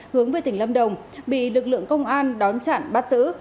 hướng về tỉnh lâm đồng bị lực lượng công an đón chặn bắt giữ